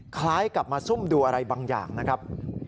คล้ายกับมาซุ่มดูอะไรบางอย่างนะครับ